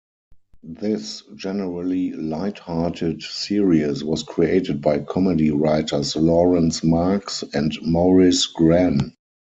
This generally light-hearted series was created by comedy writers Laurence Marks and Maurice Gran.